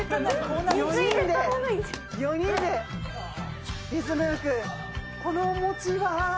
こんな４人で４人でリズムよくこのお餅は？